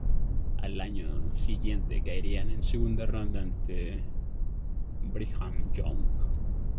Al año siguiente caerían en segunda ronda ante Brigham Young.